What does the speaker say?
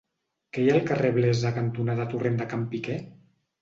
Què hi ha al carrer Blesa cantonada Torrent de Can Piquer?